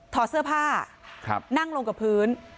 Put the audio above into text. ถอดเสื้อผ้านั่งลงกับพื้น